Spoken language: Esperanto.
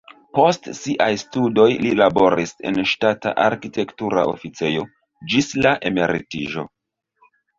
Post siaj studoj li laboris en ŝtata arkitektura oficejo ĝis la emeritiĝo.